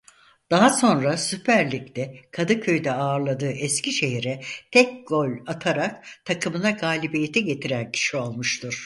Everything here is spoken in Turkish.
Daha sonra Süper Lig'de Kadıköy'de ağırladığı Eskişehir'e tek gol atarak takımına galibiyeti getiren kişi olmuştur.